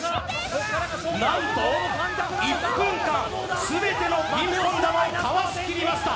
なんと１分間、すべてのピンポン玉をかわしきりました。